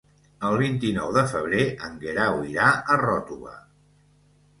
El vint-i-nou de febrer en Guerau irà a Ròtova.